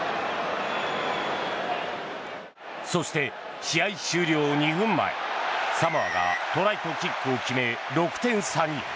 そして試合終了２分前サモアがトライとキックを決め６点差に。